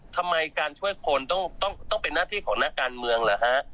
ทำไมการช่วยคนต้องเป็นหน้าที่ของนักการเมืองเหรอฮะ